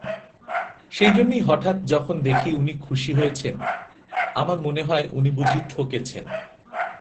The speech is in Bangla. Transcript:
সেইজন্যেই হঠাৎ যখন দেখি উনি খুশি হয়েছেন, আমার মনে হয় উনি বুঝি ঠকেছেন।